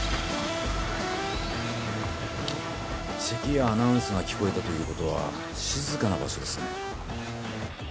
せきやアナウンスが聞こえたということは静かな場所ですね。